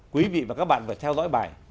quý vị và các bạn vừa theo dõi bài